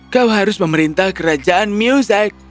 kau harus memerintah kerajaan musaik